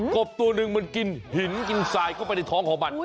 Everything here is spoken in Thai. บตัวหนึ่งมันกินหินกินทรายเข้าไปในท้องของมัน